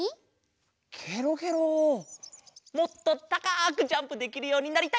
もっとたかくジャンプできるようになりたい。